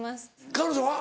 彼女は？